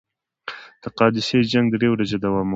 د قادسیې جنګ درې ورځې دوام وکړ.